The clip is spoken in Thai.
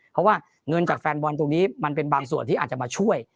เพราะว่าเงินจากแฟนบอลตรงนี้มันเป็นบางส่วนที่อาจจะมาช่วย